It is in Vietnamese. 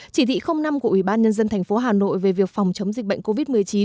chỉ thị năm của ủy ban nhân dân thành phố hà nội về việc phòng chống dịch bệnh covid một mươi chín